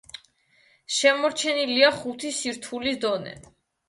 შემორჩენილია ხუთი სართულის დონე.